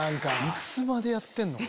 いつまでやってんの？